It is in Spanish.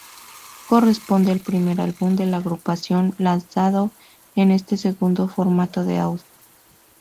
Corresponde al primer álbum de la agrupación lanzado en este segundo formato de audio.